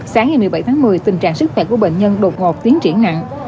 sáng ngày một mươi bảy tháng một mươi tình trạng sức khỏe của bệnh nhân đột ngột tiến triển nặng